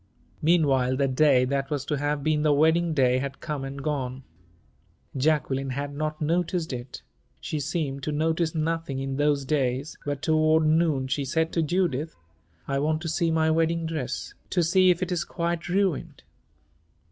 Meanwhile, the day that was to have been the wedding day had come and gone. Jacqueline had not noticed it she seemed to notice nothing in those days but toward noon she said to Judith: "I want to see my wedding dress to see if it is quite ruined."